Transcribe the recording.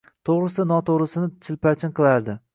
to‘g‘risi noto‘g‘risini chilparchin qilardi.